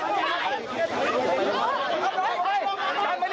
ดูก็ไม่ได้เห็น